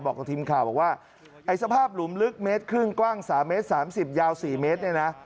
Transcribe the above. กับทีมข่าวบอกว่าไอ้สภาพหลุมลึกเมตรครึ่งกว้าง๓เมตร๓๐ยาว๔เมตรเนี่ยนะ